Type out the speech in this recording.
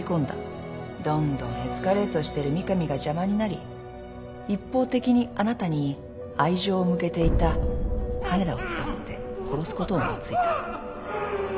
どんどんエスカレートしてる三上が邪魔になり一方的にあなたに愛情を向けていた金田を使って殺すことを思い付いた。